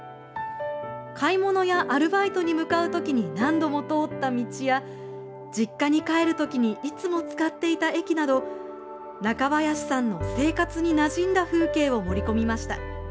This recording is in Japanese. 買い物やアルバイトに向かうときに何度も通った道や実家に帰るときにいつも使っていた駅など中林さんの生活になじんだ風景を盛り込みました。